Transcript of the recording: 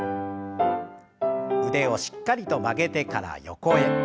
腕をしっかりと曲げてから横へ。